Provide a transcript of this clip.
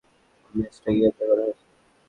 Home মিনিস্টারকে গ্রেফতার করা হয়েছে।